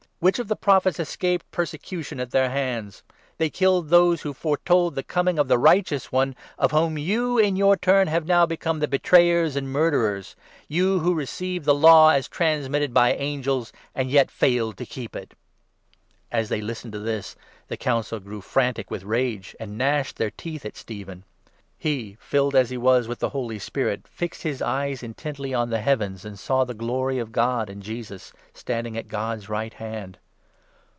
Which of the Prophets escaped persecution 52 at their hands ? They killed those who foretold the coming of the Righteous One ; of whom you, in your turn, have now become the betrayers and murderers — you who received the 53 Law as transmitted by angels and yet failed to keep it." Stephen's As they listened to this, the Council grew fnan 54 •Martyrdom, tic with rage, and gnashed their teeth at Stephen. He, filled as he was with the Holy Spirit, fixed his eyes in 55 tently on the heavens, and saw the Glory of God and Jesus standing at God's right hand.